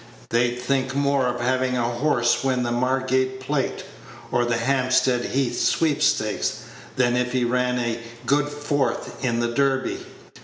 They'd think more of having a horse win the Margate plate, or the Hampstead Heath sweepstakes, than if he ran a good fourth in the Derby.